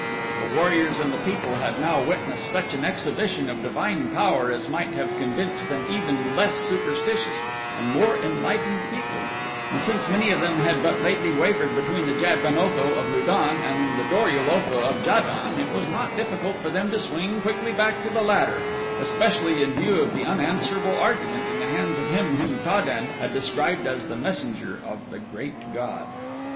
The warriors and the people had now witnessed such an exhibition of divine power as might have convinced an even less superstitious and more enlightened people, and since many of them had but lately wavered between the Jad ben Otho of Lu don and the Dor ul Otho of Ja don it was not difficult for them to swing quickly back to the latter, especially in view of the unanswerable argument in the hands of him whom Ta den had described as the Messenger of the Great God.